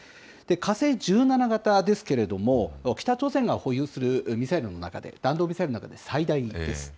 火星１７型ですけれども、北朝鮮が保有するミサイルの中で、弾道ミサイルの中で最大です。